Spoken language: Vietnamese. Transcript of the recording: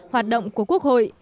hoạt động của quốc hội